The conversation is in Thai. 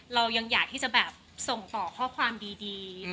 เรายังอยากที่จะแบบส่งต่อข้อความดี